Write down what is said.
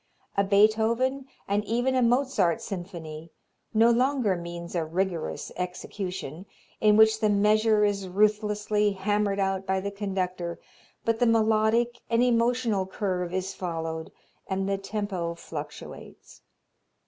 A Beethoven, and even a Mozart symphony, no longer means a rigorous execution, in which the measure is ruthlessly hammered out by the conductor, but the melodic and emotional curve is followed and the tempo fluctuates.